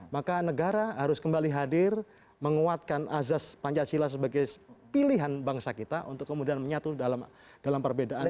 maka negara harus kembali hadir menguatkan azas pancasila sebagai pilihan bangsa kita untuk kemudian menyatu dalam perbedaan